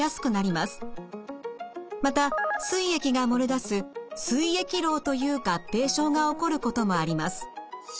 またすい液が漏れ出すすい液漏という合併症が起こることもあります。